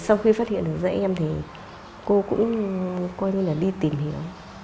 sau khi phát hiện được dãy em thì cô cũng coi như là đi tìm hiểu